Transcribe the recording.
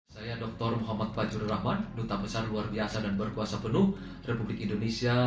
saya dr muhammad fajrul rahman duta besar luar biasa dan berkuasa penuh republik indonesia